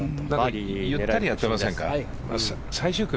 ゆったりやってませんか？